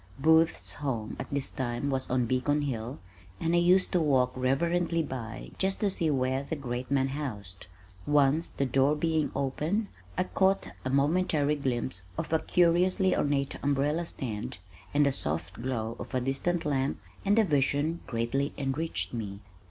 Booth's home at this time was on Beacon Hill, and I used to walk reverently by just to see where the great man housed. Once, the door being open, I caught a momentary glimpse of a curiously ornate umbrella stand, and the soft glow of a distant lamp, and the vision greatly enriched me.